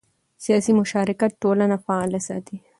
سیاسي مشارکت ټولنه فعاله ساتي